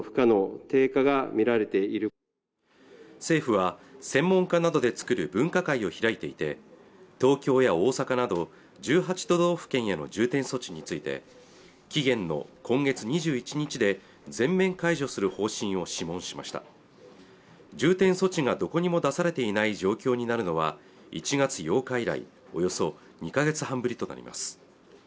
政府は専門家などで作る分科会を開いていて東京や大阪など１８都道府県への重点措置について期限の今月２１日で全面解除する方針を諮問しました重点措置がどこにも出されていない状況になるのは１月８日以来およそ２か月半ぶりとなります